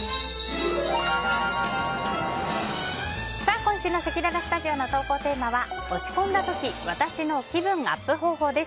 今週のせきららスタジオの投稿テーマは落ち込んだ時私の気分アップ方法です。